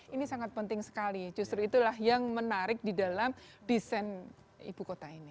ini sangat penting sekali justru itulah yang menarik di dalam desain ibu kota ini